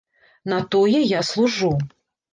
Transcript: На тое я служу.